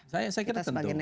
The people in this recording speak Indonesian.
saya kira tentu